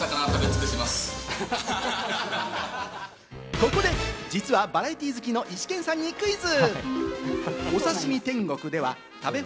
ここで実はバラエティー好きのイシケンさんにクイズ！